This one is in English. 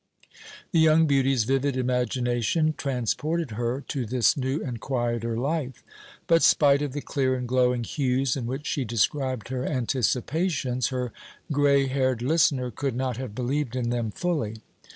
The young beauty's vivid imagination transported her to this new and quieter life. But, spite of the clear and glowing hues in which she described her anticipations, her grey haired listener could not have believed in them fully.